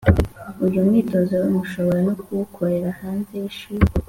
uyu mwitozo mushobora no kuwukorera hanze y'ishuri,